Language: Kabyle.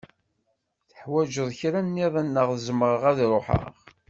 Teḥwaǧeḍ kra niḍen neɣ zemreɣ ad ruḥeɣ?